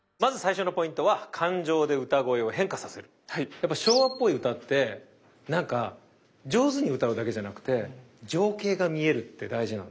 やっぱ昭和っぽい歌ってなんか上手に歌うだけじゃなくて情景が見えるって大事なの。